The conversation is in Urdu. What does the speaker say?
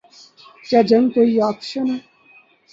کیا جنگ کوئی آپشن ہے؟